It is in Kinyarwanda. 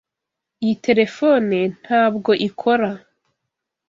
Iyi terefone ntabwo ikora.